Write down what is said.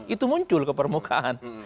itu muncul ke permukaan